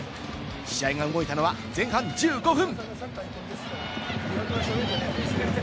試合が動いたのは前半１５分。